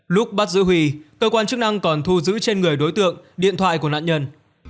lúc bắt giữ huy cơ quan chức năng còn thu giữ trên người đối tượng điện thoại của nạn nhân